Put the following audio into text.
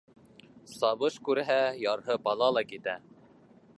Сабыш күрһә, ярһып ала ла китә.